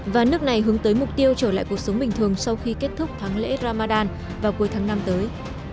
và nước này hướng tới mục tiêu trở lại cuộc sống bình thường sau khi kết thúc tháng lễ ramadan vào cuối tháng năm tới